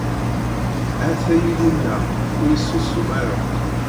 Ha-t-a Yillu-nneɣ, ur issusum ara.